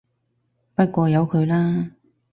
不過由佢啦